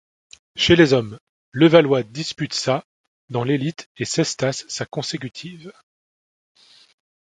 Chez les hommes, Levallois dispute sa dans l'élite et Cestas sa consécutive.